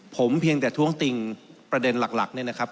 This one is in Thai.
ผมเพียงแต่ท้วงติงประเด็นหลักเนี่ยนะครับ